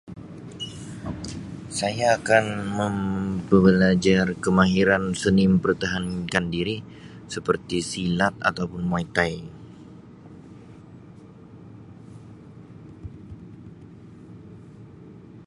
Saya akan mempelajar seni kemahiran mempertahankan diri seperti silat atau pun muay thai.